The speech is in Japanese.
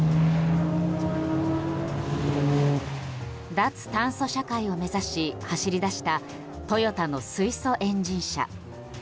脱炭素社会を目指し走り出したトヨタの水素エンジン車。